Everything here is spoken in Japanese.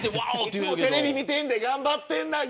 いつもテレビで見てるで頑張ってんない